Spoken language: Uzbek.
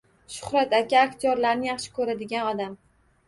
Shuhrat aka aktyorlarni yaxshi ko‘radigan odam